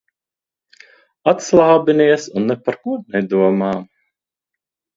Atslābinies un ne par ko nedomā.